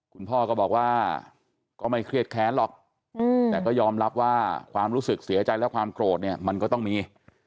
คุณพ่อก็บอกว่าก็ไม่เครียดแค้นหรอกแต่ก็ยอมรับว่าความรู้สึกเสียใจและความโกรธเนี่ยมันก็ต้องมี